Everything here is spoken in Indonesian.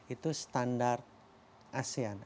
itu standar asean